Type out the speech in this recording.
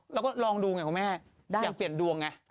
แล้วก็ลองดูไงคุณแม่อยากเปลี่ยนดวงไง